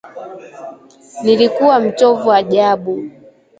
Nilikuwa mchovu ajabu